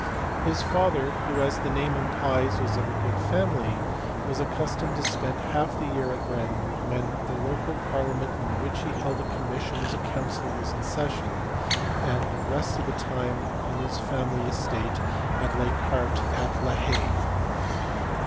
His father, who as the name implies was of a good family, was accustomed to spend half the year at Henries when the local parliament in which he held a commission as councillor was in session, and the rest of the time on his family estate of les Cartes at la Haye.